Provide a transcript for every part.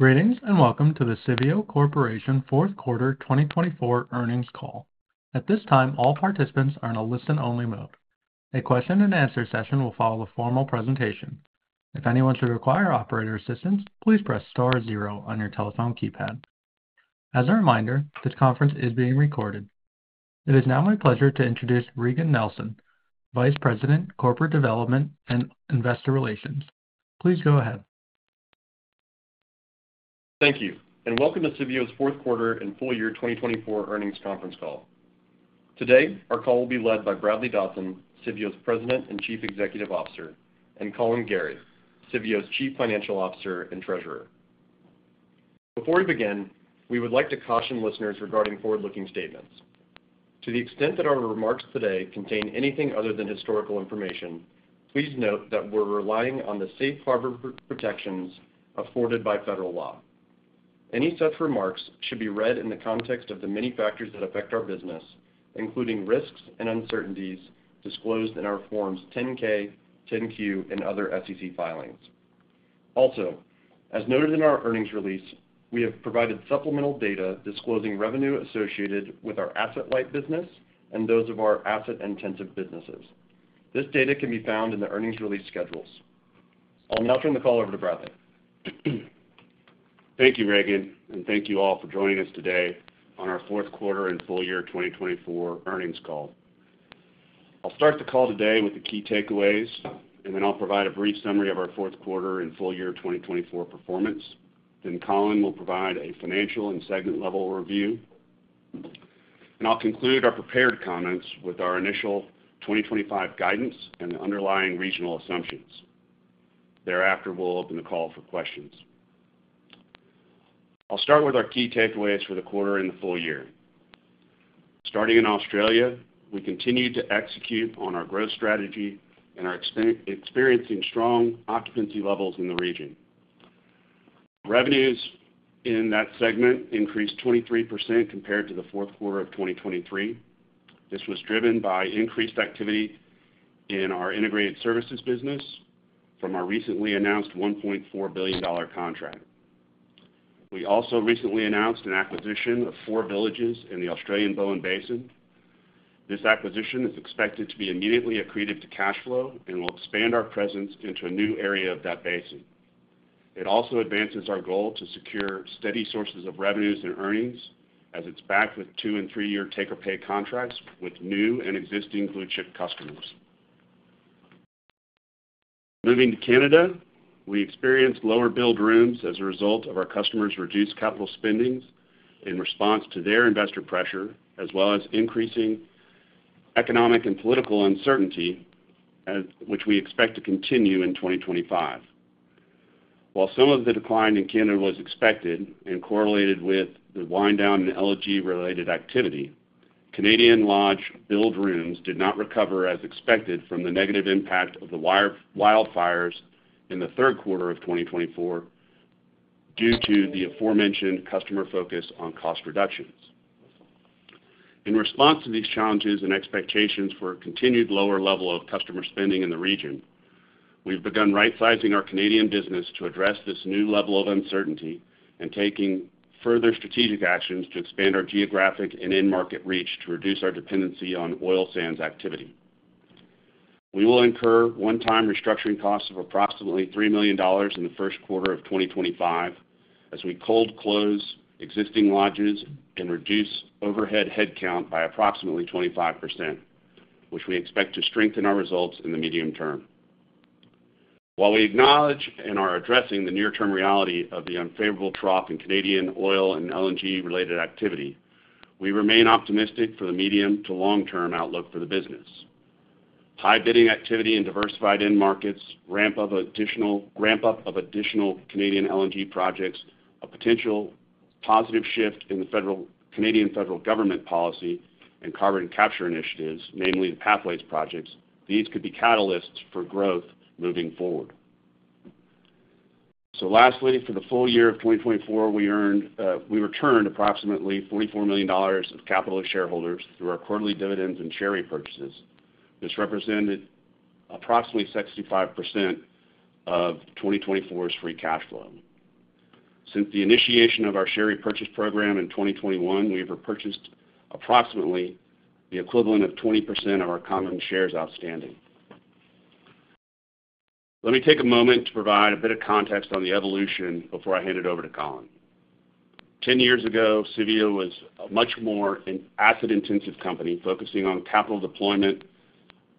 Greetings and welcome to the Civeo Corporation Fourth Quarter 2024 earnings call. At this time, all participants are in a listen-only mode. A question-and-answer session will follow the formal presentation. If anyone should require operator assistance, please press Star zero on your telephone keypad. As a reminder, this conference is being recorded. It is now my pleasure to introduce Regan Nielsen, Vice President, Corporate Development and Investor Relations. Please go ahead. Thank you, and welcome to Civeo's fourth quarter and full-year 2024 earnings conference call. Today, our call will be led by Bradley Dodson, Civeo's President and Chief Executive Officer, and Collin Gerry, Civeo's Chief Financial Officer and Treasurer. Before we begin, we would like to caution listeners regarding forward-looking statements. To the extent that our remarks today contain anything other than historical information, please note that we're relying on the safe harbor protections afforded by federal law. Any such remarks should be read in the context of the many factors that affect our business, including risks and uncertainties disclosed in our Forms 10-K, 10-Q, and other SEC filings. Also, as noted in our earnings release, we have provided supplemental data disclosing revenue associated with our asset-light business and those of our asset-intensive businesses. This data can be found in the earnings release schedules. I'll now turn the call over to Bradley. Thank you, Regan, and thank you all for joining us today on our fourth quarter and full-year 2024 earnings call. I'll start the call today with the key takeaways, and then I'll provide a brief summary of our fourth quarter and full-year 2024 performance. Collin will provide a financial and segment-level review. I'll conclude our prepared comments with our initial 2025 guidance and the underlying regional assumptions. Thereafter, we'll open the call for questions. I'll start with our key takeaways for the quarter and the full-year. Starting in Australia, we continue to execute on our growth strategy and are experiencing strong occupancy levels in the region. Revenues in that segment increased 23% compared to the fourth quarter of 2023. This was driven by increased activity in our integrated services business from our recently announced $1.4 billion contract. We also recently announced an acquisition of four villages in the Australian Bowen Basin. This acquisition is expected to be immediately accretive to cash flow and will expand our presence into a new area of that basin. It also advances our goal to secure steady sources of revenues and earnings as it's backed with two- and three-year take-or-pay contracts with new and existing blue-chip customers. Moving to Canada, we experienced lower billed rooms as a result of our customers' reduced capital spendings in response to their investor pressure, as well as increasing economic and political uncertainty, which we expect to continue in 2025. While some of the decline in Canada was expected and correlated with the wind-down in LNG-related activity, Canadian logde billed rooms did not recover as expected from the negative impact of the wildfires in the third quarter of 2024 due to the aforementioned customer focus on cost reductions. In response to these challenges and expectations for a continued lower level of customer spending in the region, we've begun right-sizing our Canadian business to address this new level of uncertainty and taking further strategic actions to expand our geographic and in-market reach to reduce our dependency on oil sands activity. We will incur one-time restructuring costs of approximately $3 million in the first quarter of 2025 as we cold-close existing lodges and reduce overhead headcount by approximately 25%, which we expect to strengthen our results in the medium term. While we acknowledge and are addressing the near-term reality of the unfavorable trough in Canadian oil and LNG-related activity, we remain optimistic for the medium to long-term outlook for the business. High bidding activity in diversified in-markets, ramp-up of additional Canadian LNG projects, a potential positive shift in the Canadian federal government policy and carbon capture initiatives, namely the Pathways projects, these could be catalysts for growth moving forward. Lastly, for the full-year of 2024, we returned approximately $44 million of capital to shareholders through our quarterly dividends and share repurchases. This represented approximately 65% of 2024's free cash flow. Since the initiation of our share repurchase program in 2021, we've repurchased approximately the equivalent of 20% of our common shares outstanding. Let me take a moment to provide a bit of context on the evolution before I hand it over to Collin. Ten years ago, Civeo was a much more asset-intensive company focusing on capital deployment,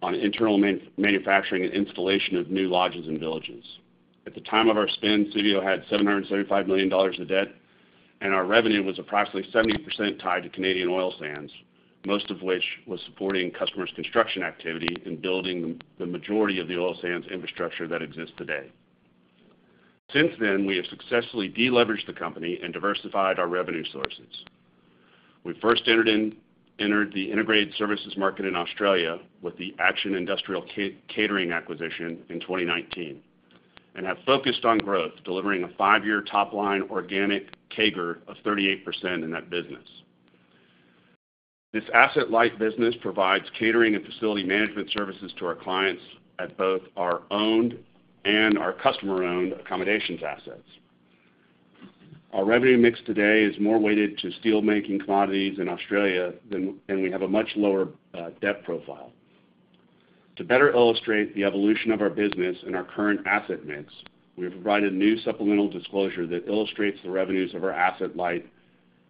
on internal manufacturing, and installation of new lodges and villages. At the time of our spin, Civeo had $775 million of debt, and our revenue was approximately 70% tied to Canadian oil sands, most of which was supporting customers' construction activity and building the majority of the oil sands infrastructure that exists today. Since then, we have successfully deleveraged the company and diversified our revenue sources. We first entered the integrated services market in Australia with the Action Industrial Catering acquisition in 2019 and have focused on growth, delivering a five-year top-line organic CAGR of 38% in that business. This asset-light business provides catering and facility management services to our clients at both our owned and our customer-owned accommodations assets. Our revenue mix today is more weighted to steelmaking commodities in Australia, and we have a much lower debt profile. To better illustrate the evolution of our business and our current asset mix, we have provided a new supplemental disclosure that illustrates the revenues of our asset-light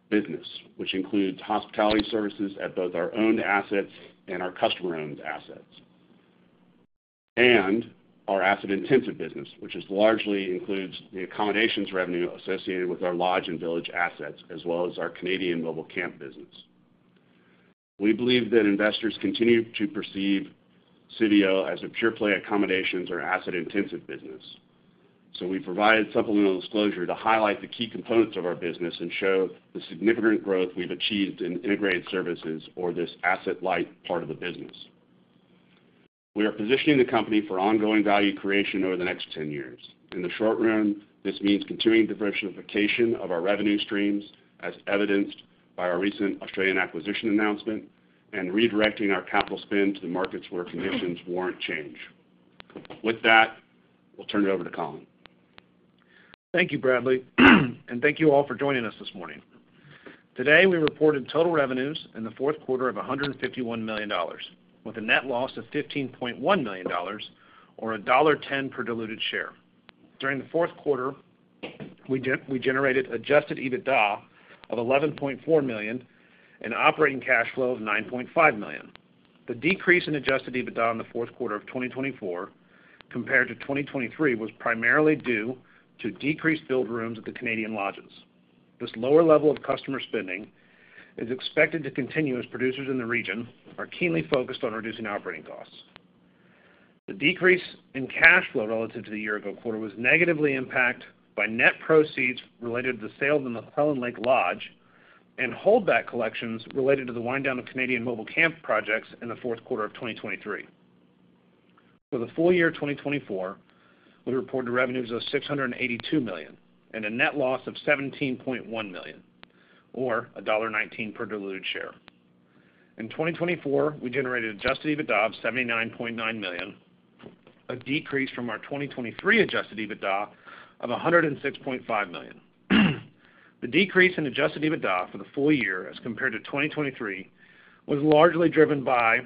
business, which includes hospitality services at both our owned assets and our customer-owned assets, and our asset-intensive business, which largely includes the accommodations revenue associated with our lodge and village assets, as well as our Canadian mobile camp business. We believe that investors continue to perceive Civeo as a pure-play accommodations or asset-intensive business. We provided supplemental disclosure to highlight the key components of our business and show the significant growth we've achieved in integrated services or this asset-light part of the business. We are positioning the company for ongoing value creation over the next 10 years. In the short run, this means continuing diversification of our revenue streams, as evidenced by our recent Australian acquisition announcement, and redirecting our capital spend to the markets where conditions warrant change. With that, we'll turn it over to Collin. Thank you, Bradley, and thank you all for joining us this morning. Today, we reported total revenues in the fourth quarter of $151 million, with a net loss of $15.1 million, or $1.10 per diluted share. During the fourth quarter, we generated adjusted EBITDA of $11.4 million and operating cash flow of $9.5 million. The decrease in adjusted EBITDA in the fourth quarter of 2024 compared to 2023 was primarily due to decreased build rooms at the Canadian lodges. This lower level of customer spending is expected to continue as producers in the region are keenly focused on reducing operating costs. The decrease in cash flow relative to the year-ago quarter was negatively impacted by net proceeds related to the sale of the McClelland Lake Lodge and holdback collections related to the wind-down of Canadian mobile camp projects in the fourth quarter of 2023. For the full-year of 2024, we reported revenues of $682 million and a net loss of $17.1 million, or $1.19 per diluted share. In 2024, we generated adjusted EBITDA of $79.9 million, a decrease from our 2023 adjusted EBITDA of $106.5 million. The decrease in adjusted EBITDA for the full-year as compared to 2023 was largely driven by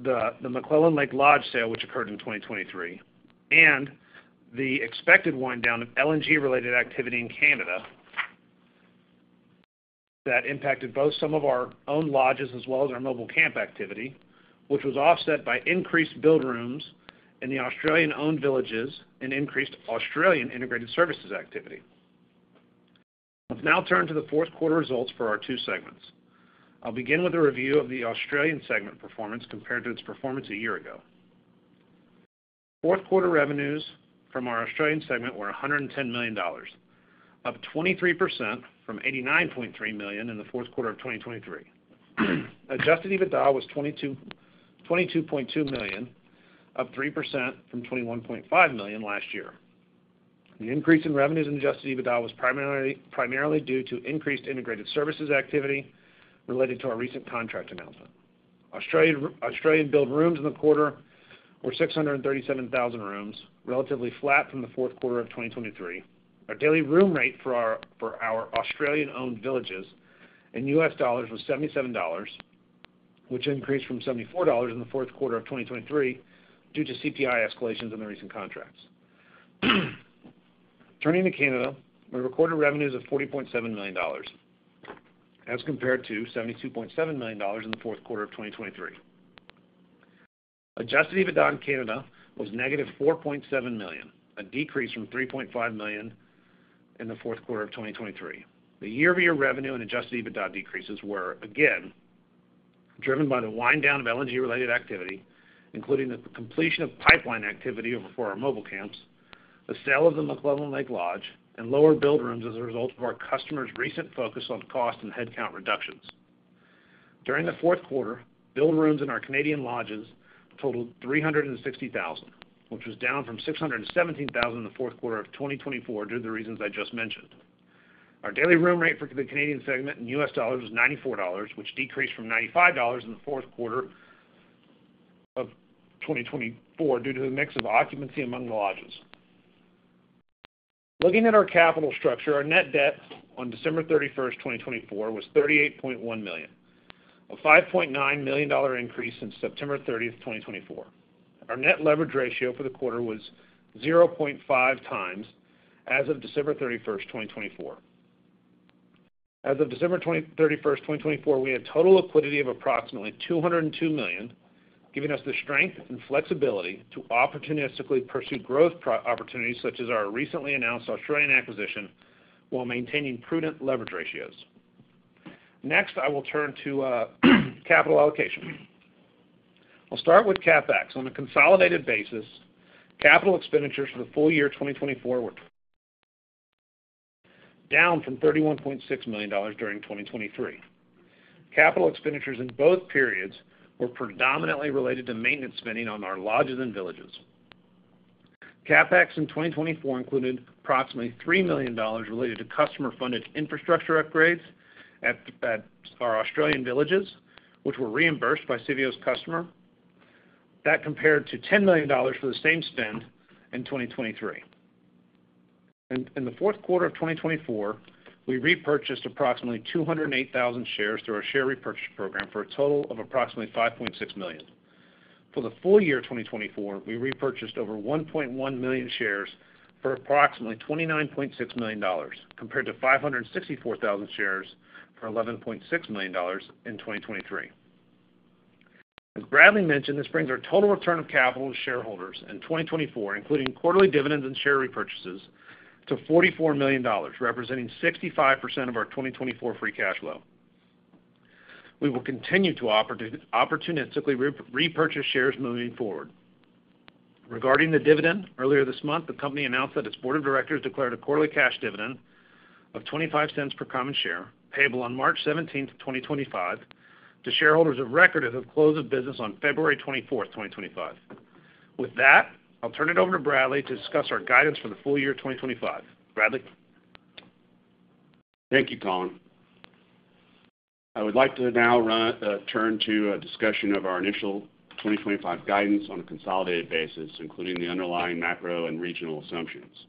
the McClelland Lake Lodge sale, which occurred in 2023, and the expected wind-down of LNG-related activity in Canada that impacted both some of our owned lodges as well as our mobile camp activity, which was offset by increased build rooms in the Australian-owned villages and increased Australian integrated services activity. Let's now turn to the fourth quarter results for our two segments. I'll begin with a review of the Australian segment performance compared to its performance a year ago. Fourth quarter revenues from our Australian segment were $110 million, up 23% from $89.3 million in the fourth quarter of 2023. Adjusted EBITDA was $22.2 million, up 3% from $21.5 million last year. The increase in revenues and adjusted EBITDA was primarily due to increased integrated services activity related to our recent contract announcement. Australian build rooms in the quarter were 637,000 rooms, relatively flat from the fourth quarter of 2023. Our daily room rate for our Australian-owned villages in U.S. dollars was $77, which increased from $74 in the fourth quarter of 2023 due to CPI escalations in the recent contracts. Turning to Canada, we recorded revenues of $40.7 million as compared to $72.7 million in the fourth quarter of 2023. Adjusted EBITDA in Canada was -$4.7 million, a decrease from $3.5 million in the fourth quarter of 2023. The year-over-year revenue and adjusted EBITDA decreases were, again, driven by the wind-down of LNG-related activity, including the completion of pipeline activity for our mobile camps, the sale of the McClelland Lake Lodge, and lower build rooms as a result of our customers' recent focus on cost and headcount reductions. During the fourth quarter, build rooms in our Canadian lodges totaled 360,000, which was down from 617,000 in the fourth quarter of 2024 due to the reasons I just mentioned. Our daily room rate for the Canadian segment in U.S. dollars was $94, which decreased from $95 in the fourth quarter of 2024 due to the mix of occupancy among the lodges. Looking at our capital structure, our net debt on December 31st, 2024, was $38.1 million, a $5.9 million increase since September 30th, 2024. Our net leverage ratio for the quarter was 0.5x as of December 31, 2024. As of December 31st, 2024, we had total liquidity of approximately $202 million, giving us the strength and flexibility to opportunistically pursue growth opportunities such as our recently announced Australian acquisition while maintaining prudent leverage ratios. Next, I will turn to capital allocation. I'll start with CapEx. On a consolidated basis, capital expenditures for the full-year 2024 were down from $31.6 million during 2023. Capital expenditures in both periods were predominantly related to maintenance spending on our lodges and villages. CapEx in 2024 included approximately $3 million related to customer-funded infrastructure upgrades at our Australian villages, which were reimbursed by Civeo's customer. That compared to $10 million for the same spend in 2023. In the fourth quarter of 2024, we repurchased approximately 208,000 shares through our share repurchase program for a total of approximately $5.6 million. For the full-year 2024, we repurchased over 1.1 million shares for approximately $29.6 million, compared to 564,000 shares for $11.6 million in 2023. As Bradley mentioned, this brings our total return of capital to shareholders in 2024, including quarterly dividends and share repurchases, to $44 million, representing 65% of our 2024 free cash flow. We will continue to opportunistically repurchase shares moving forward. Regarding the dividend, earlier this month, the company announced that its board of directors declared a quarterly cash dividend of $0.25 per common share, payable on March 17th, 2025, to shareholders of record as of close of business on February 24th, 2025. With that, I'll turn it over to Bradley to discuss our guidance for the full-year 2025. Bradley. Thank you, Collin. I would like to now turn to a discussion of our initial 2025 guidance on a consolidated basis, including the underlying macro and regional assumptions.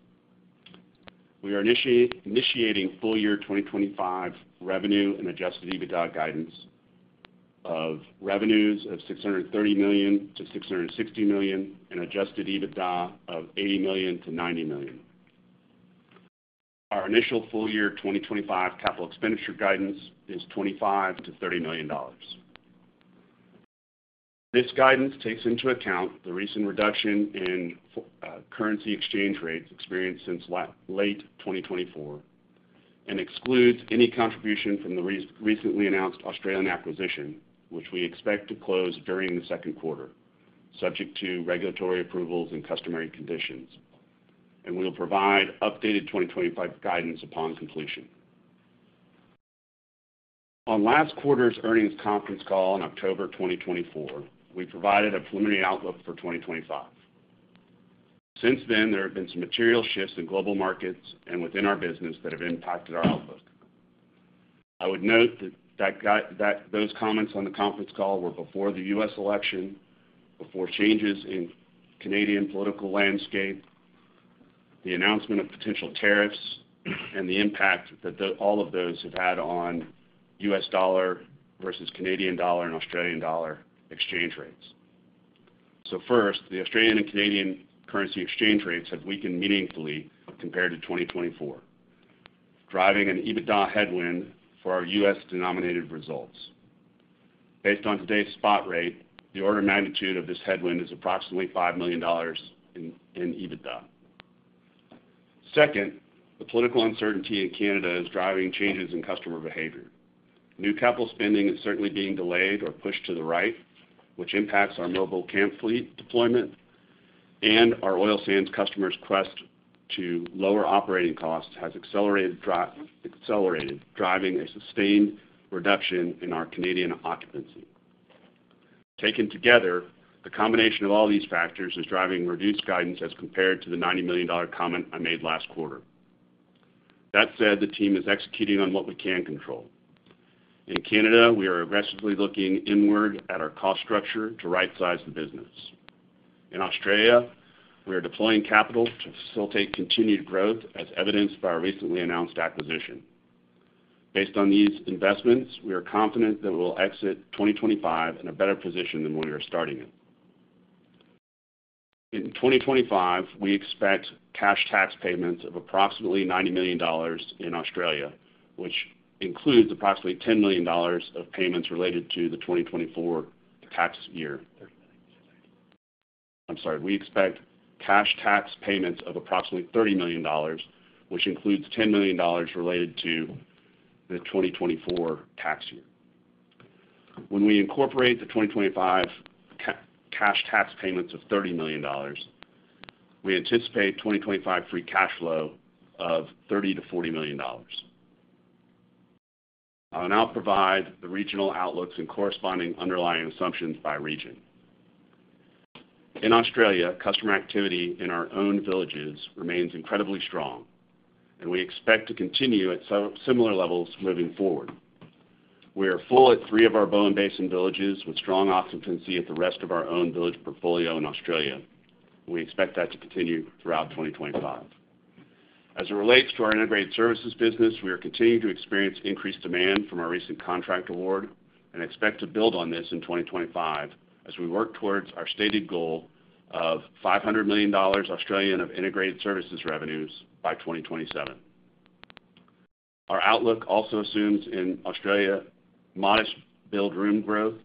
We are initiating full-year 2025 revenue and adjusted EBITDA guidance of revenues of $630 million-$660 million and adjusted EBITDA of $80 million-$90 million. Our initial full-year 2025 capital expenditure guidance is $25 million-$30 million. This guidance takes into account the recent reduction in currency exchange rates experienced since late 2024 and excludes any contribution from the recently announced Australian acquisition, which we expect to close during the second quarter, subject to regulatory approvals and customary conditions. We will provide updated 2025 guidance upon completion. On last quarter's earnings conference call in October 2024, we provided a preliminary outlook for 2025. Since then, there have been some material shifts in global markets and within our business that have impacted our outlook. I would note that those comments on the conference call were before the U.S. election, before changes in Canadian political landscape, the announcement of potential tariffs, and the impact that all of those have had on U.S. dollar versus Canadian dollar and Australian dollar exchange rates. First, the Australian and Canadian currency exchange rates have weakened meaningfully compared to 2024, driving an EBITDA headwind for our U.S.-denominated results. Based on today's spot rate, the order of magnitude of this headwind is approximately $5 million in EBITDA. Second, the political uncertainty in Canada is driving changes in customer behavior. New capital spending is certainly being delayed or pushed to the right, which impacts our mobile camp fleet deployment, and our oil sands customers' quest to lower operating costs has accelerated, driving a sustained reduction in our Canadian occupancy. Taken together, the combination of all these factors is driving reduced guidance as compared to the $90 million comment I made last quarter. That said, the team is executing on what we can control. In Canada, we are aggressively looking inward at our cost structure to right-size the business. In Australia, we are deploying capital to facilitate continued growth, as evidenced by our recently announced acquisition. Based on these investments, we are confident that we will exit 2025 in a better position than when we were starting it. In 2025, we expect cash tax payments of approximately 90 million dollars in Australia, which includes approximately 10 million dollars of payments related to the 2024 tax year. I'm sorry. We expect cash tax payments of approximately 30 million dollars, which includes 10 million dollars related to the 2024 tax year. When we incorporate the 2025 cash tax payments of 30 million dollars, we anticipate 2025 free cash flow of $30 million-40 million. I'll now provide the regional outlooks and corresponding underlying assumptions by region. In Australia, customer activity in our own villages remains incredibly strong, and we expect to continue at similar levels moving forward. We are full at three of our Bowen Basin villages with strong occupancy at the rest of our own village portfolio in Australia, and we expect that to continue throughout 2025. As it relates to our integrated services business, we are continuing to experience increased demand from our recent contract award and expect to build on this in 2025 as we work towards our stated goal of 500 million Australian dollars of integrated services revenues by 2027. Our outlook also assumes in Australia modest build room growth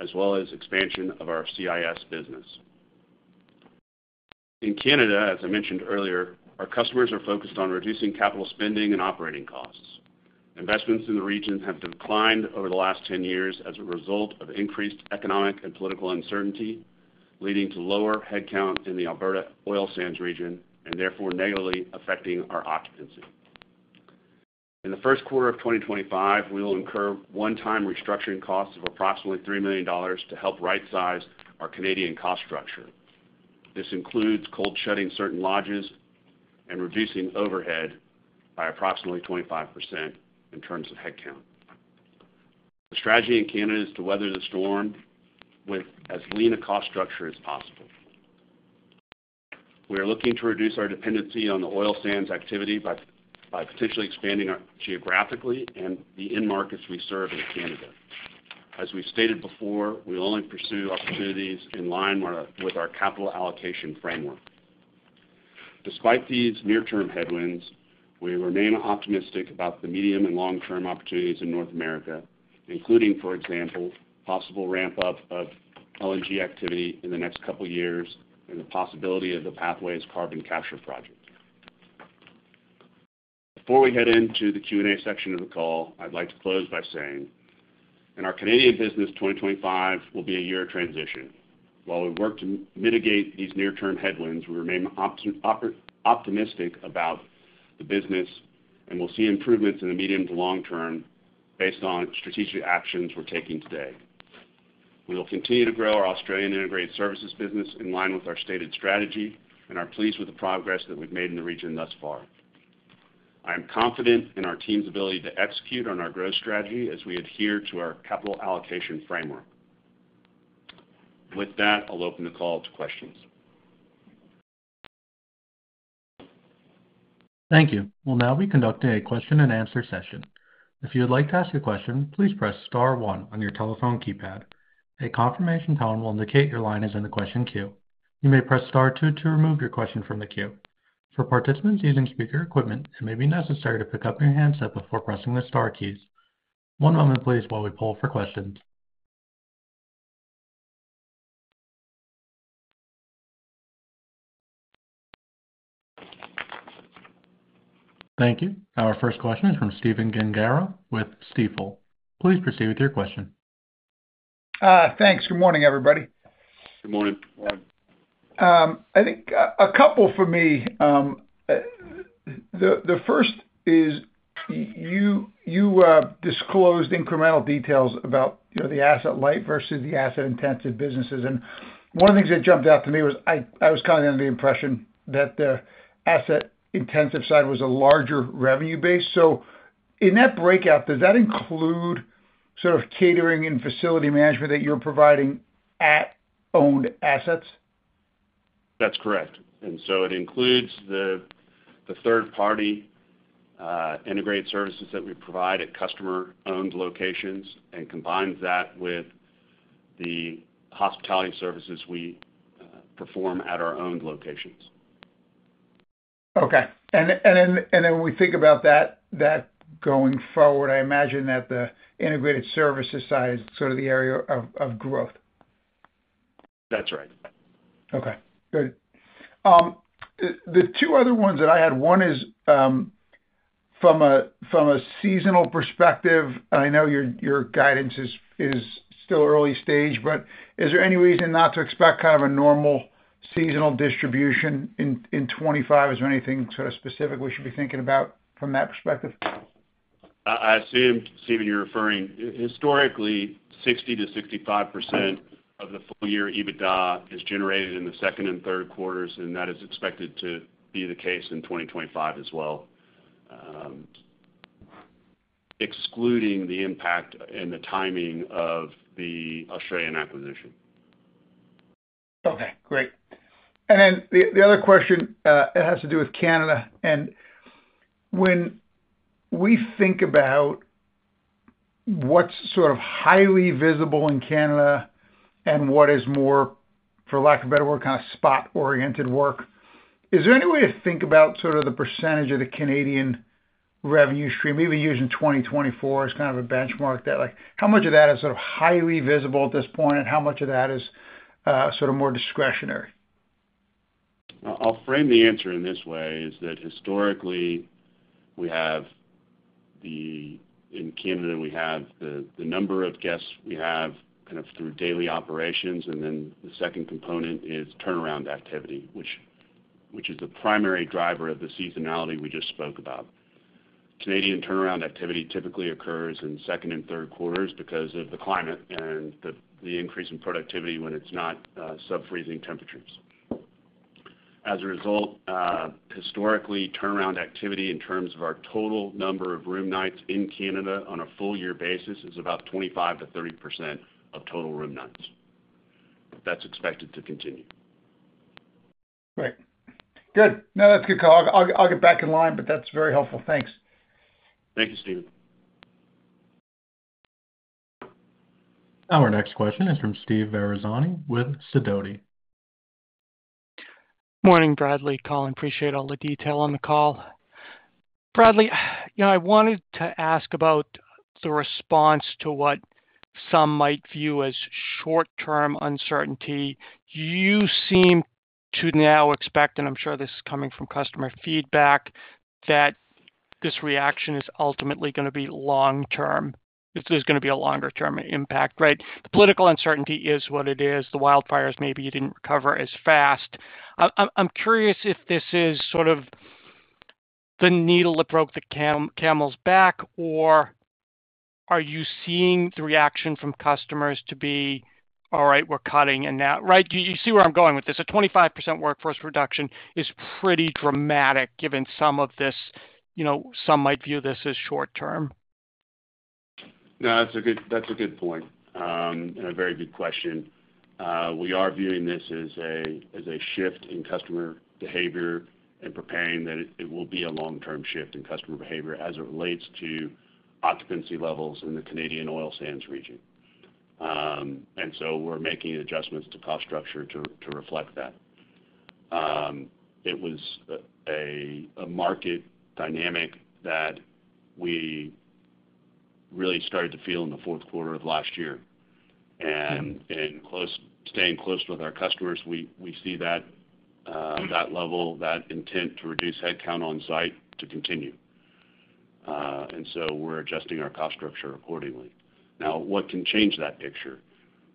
as well as expansion of our CIS business. In Canada, as I mentioned earlier, our customers are focused on reducing capital spending and operating costs. Investments in the region have declined over the last 10 years as a result of increased economic and political uncertainty, leading to lower headcount in the Alberta oil sands region and therefore negatively affecting our occupancy. In the first quarter of 2025, we will incur one-time restructuring costs of approximately $3 million to help right-size our Canadian cost structure. This includes cold shutting certain lodges and reducing overhead by approximately 25% in terms of headcount. The strategy in Canada is to weather the storm with as lean a cost structure as possible. We are looking to reduce our dependency on the oil sands activity by potentially expanding geographically and the in-markets we serve in Canada. As we stated before, we will only pursue opportunities in line with our capital allocation framework. Despite these near-term headwinds, we remain optimistic about the medium and long-term opportunities in North America, including, for example, possible ramp-up of LNG activity in the next couple of years and the possibility of the Pathways carbon capture project. Before we head into the Q&A section of the call, I'd like to close by saying that our Canadian business 2025 will be a year of transition. While we work to mitigate these near-term headwinds, we remain optimistic about the business, and we'll see improvements in the medium to long term based on strategic actions we're taking today. We will continue to grow our Australian integrated services business in line with our stated strategy and are pleased with the progress that we've made in the region thus far. I am confident in our team's ability to execute on our growth strategy as we adhere to our capital allocation framework. With that, I'll open the call to questions. Thank you. We will now be conducting a question-and-answer session. If you would like to ask a question, please press Star 1 on your telephone keypad. A confirmation tone will indicate your line is in the question queue. You may press Star two to remove your question from the queue. For participants using speaker equipment, it may be necessary to pick up your handset before pressing the Star keys. One moment, please, while we pull for questions. Thank you. Our first question is from Stephen Gengaro with Stifel. Please proceed with your question. Thanks. Good morning, everybody. Good morning. I think a couple for me. The first is you disclosed incremental details about the asset-light versus the asset-intensive businesses. One of the things that jumped out to me was I was kind of under the impression that the asset-intensive side was a larger revenue base. In that breakout, does that include sort of catering and facility management that you're providing at owned assets? That's correct. It includes the third-party integrated services that we provide at customer-owned locations and combines that with the hospitality services we perform at our owned locations. Okay. When we think about that going forward, I imagine that the integrated services side is sort of the area of growth. That's right. Okay. Good. The two other ones that I had, one is from a seasonal perspective. I know your guidance is still early stage, but is there any reason not to expect kind of a normal seasonal distribution in 2025? Is there anything sort of specific we should be thinking about from that perspective? I assume, Stephen, you're referring historically 60-65% of the full -year EBITDA is generated in the second and third quarters, and that is expected to be the case in 2025 as well, excluding the impact and the timing of the Australian acquisition. Okay. Great. The other question has to do with Canada. When we think about what's sort of highly visible in Canada and what is more, for lack of a better word, kind of spot-oriented work, is there any way to think about sort of the percentage of the Canadian revenue stream, even using 2024 as kind of a benchmark, that how much of that is sort of highly visible at this point and how much of that is sort of more discretionary? I'll frame the answer in this way: historically, in Canada, we have the number of guests we have kind of through daily operations, and then the second component is turnaround activity, which is the primary driver of the seasonality we just spoke about. Canadian turnaround activity typically occurs in second and third quarters because of the climate and the increase in productivity when it's not sub-freezing temperatures. As a result, historically, turnaround activity in terms of our total number of room nights in Canada on a full-year basis is about 25%-30% of total room nights. That's expected to continue. Right. Good. No, that's good. I'll get back in line, but that's very helpful. Thanks. Thank you, Stephen. Our next question is from Steve Ferazani with Sidoti. Good morning, Bradley, Collin. Appreciate all the detail on the call. Bradley, I wanted to ask about the response to what some might view as short-term uncertainty. You seem to now expect, and I'm sure this is coming from customer feedback, that this reaction is ultimately going to be long-term, that there's going to be a longer-term impact, right? The political uncertainty is what it is. The wildfires, maybe you didn't recover as fast. I'm curious if this is sort of the needle that broke the camel's back, or are you seeing the reaction from customers to be, "All right, we're cutting now," right? You see where I'm going with this. A 25% workforce reduction is pretty dramatic given some of this; some might view this as short-term. No, that's a good point and a very good question. We are viewing this as a shift in customer behavior and preparing that it will be a long-term shift in customer behavior as it relates to occupancy levels in the Canadian oil sands region. We are making adjustments to cost structure to reflect that. It was a market dynamic that we really started to feel in the fourth quarter of last year. In staying close with our customers, we see that level, that intent to reduce headcount on-site to continue. We are adjusting our cost structure accordingly. Now, what can change that picture?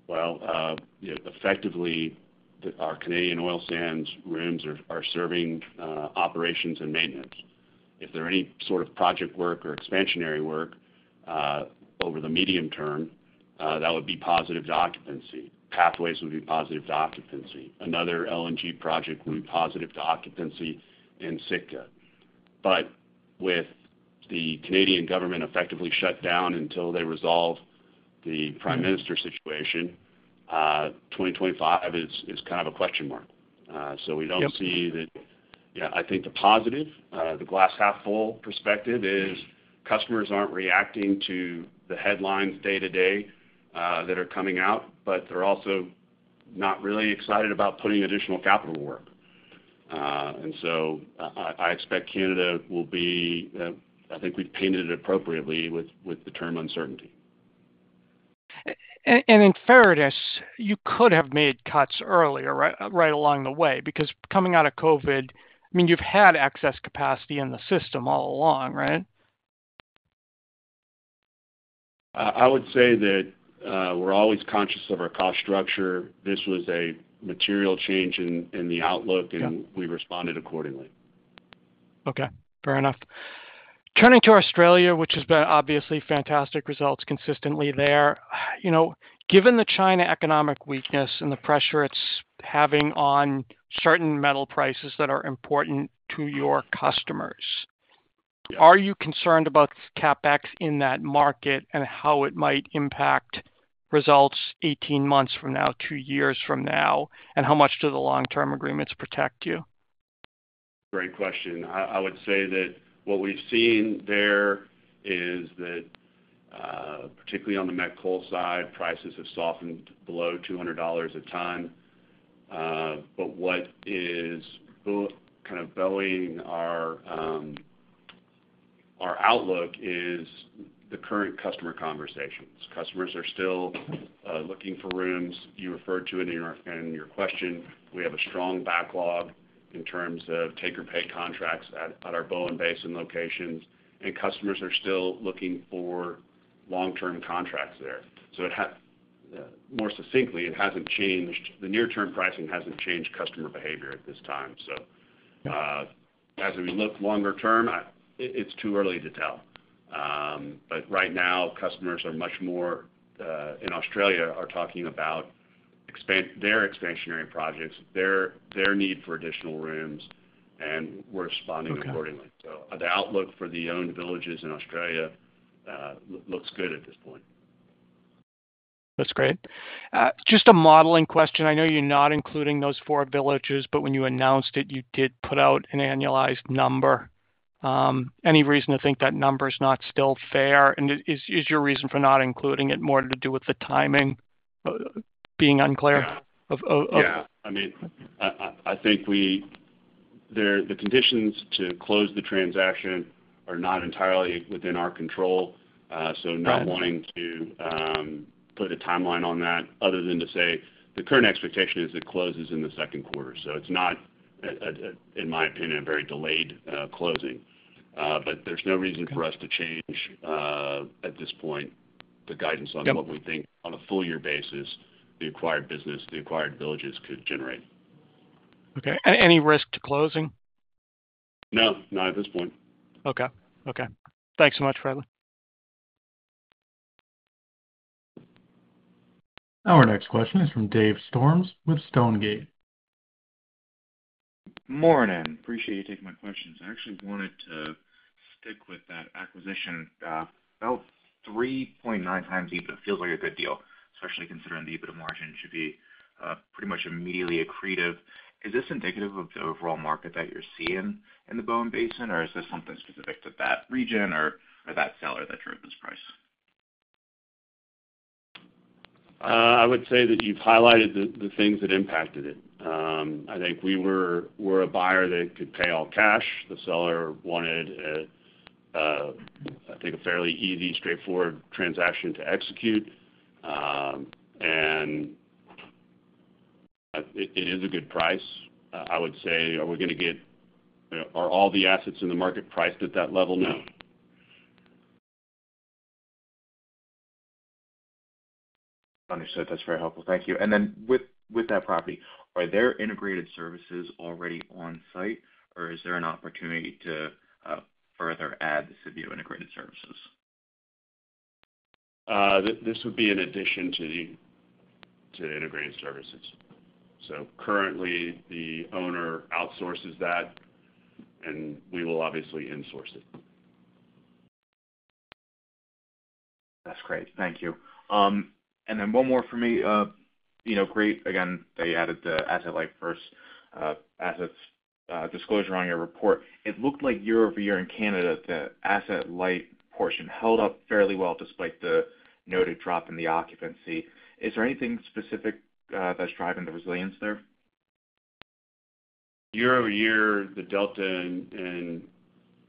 Effectively, our Canadian oil sands rooms are serving operations and maintenance. If there's any sort of project work or expansionary work over the medium term, that would be positive to occupancy. Pathways would be positive to occupancy. Another LNG project would be positive to occupancy in Sitka. With the Canadian government effectively shut down until they resolve the Prime Minister situation, 2025 is kind of a question mark. We do not see that. I think the positive, the glass half full perspective is customers are not reacting to the headlines day to day that are coming out, but they are also not really excited about putting additional capital work. I expect Canada will be—I think we have painted it appropriately with the term uncertainty. In fairness, you could have made cuts earlier, right, along the way? Because coming out of COVID, I mean, you've had excess capacity in the system all along, right? I would say that we're always conscious of our cost structure. This was a material change in the outlook, and we responded accordingly. Okay. Fair enough. Turning to Australia, which has been obviously fantastic results consistently there. Given the China economic weakness and the pressure it's having on certain metal prices that are important to your customers, are you concerned about CapEx in that market and how it might impact results 18 months from now, two years from now, and how much do the long-term agreements protect you? Great question. I would say that what we've seen there is that, particularly on the met coal side, prices have softened below $200 a ton. What is kind of buoying our outlook is the current customer conversations. Customers are still looking for rooms. You referred to it in your question. We have a strong backlog in terms of take-or-pay contracts at our Bowen Basin locations, and customers are still looking for long-term contracts there. More succinctly, it hasn't changed. The near-term pricing hasn't changed customer behavior at this time. As we look longer-term, it's too early to tell. Right now, customers in Australia are talking about their expansionary projects, their need for additional rooms, and we're responding accordingly. The outlook for the owned villages in Australia looks good at this point. That's great. Just a modeling question. I know you're not including those four villages, but when you announced it, you did put out an annualized number. Any reason to think that number is not still fair? Is your reason for not including it more to do with the timing being unclear? Yeah. I mean, I think the conditions to close the transaction are not entirely within our control. Not wanting to put a timeline on that other than to say the current expectation is it closes in the second quarter. It is not, in my opinion, a very delayed closing. There is no reason for us to change at this point the guidance on what we think on a full-year basis the acquired business, the acquired villages could generate. Okay. Any risk to closing? No. Not at this point. Okay. Okay. Thanks so much, Bradley. Our next question is from Dave Storms with Stonegate. Good morning. Appreciate you taking my questions. I actually wanted to stick with that acquisition. About 3.9x EBIT feels like a good deal, especially considering the EBITDA margin should be pretty much immediately accretive. Is this indicative of the overall market that you're seeing in the Bowen Basin, or is this something specific to that region or that seller that drove this price? I would say that you've highlighted the things that impacted it. I think we were a buyer that could pay all cash. The seller wanted, I think, a fairly easy, straightforward transaction to execute. It is a good price. I would say, are we going to get—are all the assets in the market priced at that level now? Understood. That's very helpful. Thank you. With that property, are there integrated services already on-site, or is there an opportunity to further add the Civeo integrated services? This would be in addition to the integrated services. Currently, the owner outsources that, and we will obviously insource it. That's great. Thank you. One more for me. Great. Again, they added the asset light first assets disclosure on your report. It looked like year-over-year in Canada, the asset light portion held up fairly well despite the noted drop in the occupancy. Is there anything specific that's driving the resilience there? Year-over-year, the delta in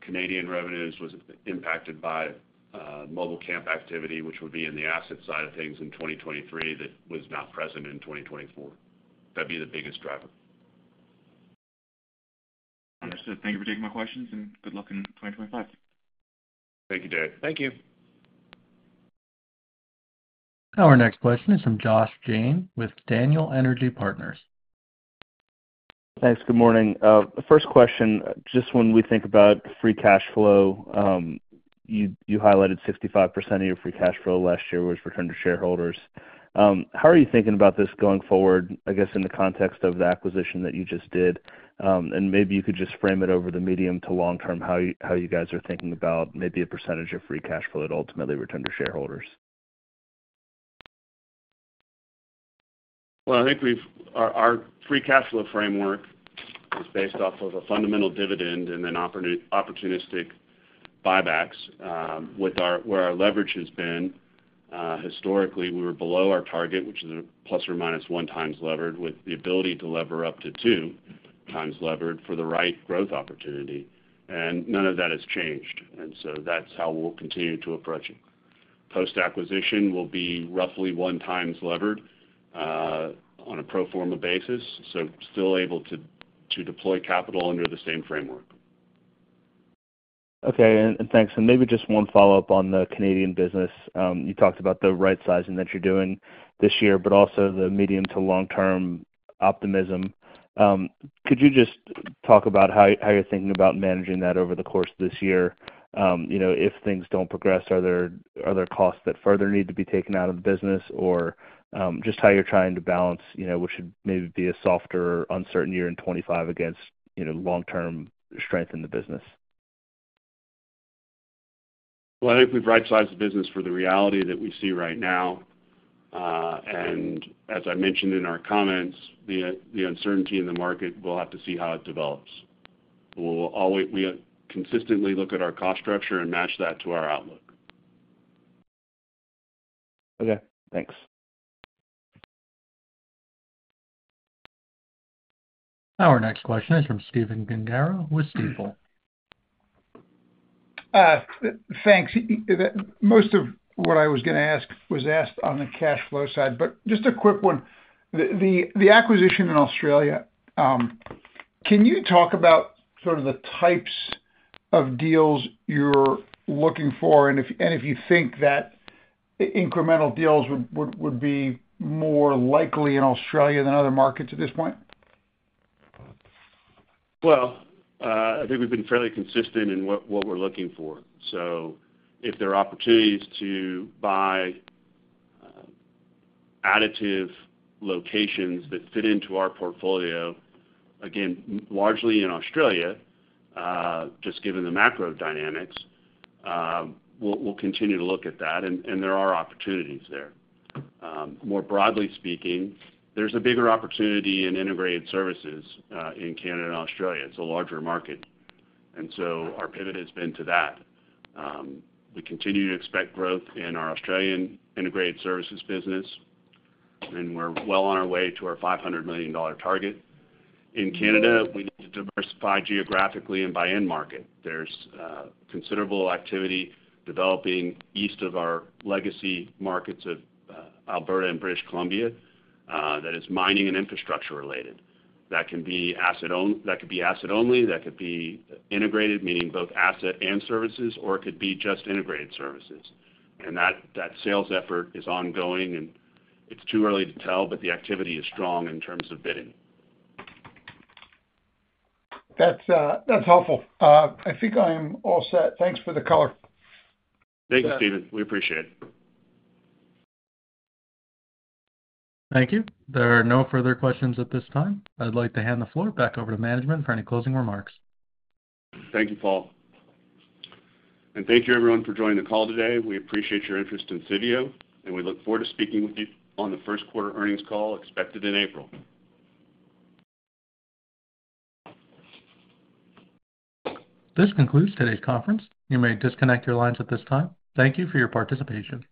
Canadian revenues was impacted by mobile camp activity, which would be in the asset side of things in 2023 that was not present in 2024. That'd be the biggest driver. Understood. Thank you for taking my questions, and good luck in 2025. Thank you, Dave. Thank you. Our next question is from Josh Jayne with Daniel Energy Partners. Thanks. Good morning. First question, just when we think about free cash flow, you highlighted 65% of your free cash flow last year was returned to shareholders. How are you thinking about this going forward, I guess, in the context of the acquisition that you just did? Maybe you could just frame it over the medium to long-term, how you guys are thinking about maybe a percentage of free cash flow that ultimately returned to shareholders. I think our free cash flow framework is based off of a fundamental dividend and then opportunistic buybacks. Where our leverage has been, historically, we were below our target, which is a ±1x levered with the ability to lever up to two times levered for the right growth opportunity. None of that has changed. That is how we will continue to approach it. Post-acquisition will be roughly 1x levered on a pro forma basis, so still able to deploy capital under the same framework. Okay. Thanks. Maybe just one follow-up on the Canadian business. You talked about the right sizing that you're doing this year, but also the medium to long-term optimism. Could you just talk about how you're thinking about managing that over the course of this year? If things do not progress, are there costs that further need to be taken out of the business, or just how you're trying to balance what should maybe be a softer, uncertain year in 2025 against long-term strength in the business? I think we've right-sized the business for the reality that we see right now. As I mentioned in our comments, the uncertainty in the market, we'll have to see how it develops. We'll consistently look at our cost structure and match that to our outlook. Okay. Thanks. Our next question is from Stephen Michael Gengaro with Stifel. Thanks. Most of what I was going to ask was asked on the cash flow side. Just a quick one. The acquisition in Australia, can you talk about sort of the types of deals you're looking for? If you think that incremental deals would be more likely in Australia than other markets at this point? I think we've been fairly consistent in what we're looking for. If there are opportunities to buy additive locations that fit into our portfolio, again, largely in Australia, just given the macro dynamics, we'll continue to look at that. There are opportunities there. More broadly speaking, there's a bigger opportunity in integrated services in Canada and Australia. It's a larger market. Our pivot has been to that. We continue to expect growth in our Australian integrated services business, and we're well on our way to our $500 million target. In Canada, we need to diversify geographically and by end market. There's considerable activity developing east of our legacy markets of Alberta and British Columbia that is mining and infrastructure related. That could be asset-only. That could be integrated, meaning both asset and services, or it could be just integrated services. That sales effort is ongoing, and it's too early to tell, but the activity is strong in terms of bidding. That's helpful. I think I'm all set. Thanks for the color. Thank you, Stephen. We appreciate it. Thank you. There are no further questions at this time. I'd like to hand the floor back over to management for any closing remarks. Thank you, Paul. Thank you, everyone, for joining the call today. We appreciate your interest in Civeo, and we look forward to speaking with you on the first quarter earnings call expected in April. This concludes today's conference. You may disconnect your lines at this time. Thank you for your participation.